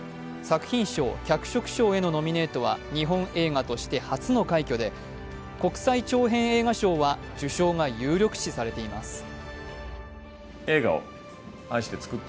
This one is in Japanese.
作品賞、脚色賞へのノミネートは日本映画として初の快挙で国際長編映画賞は受賞が有力視されています。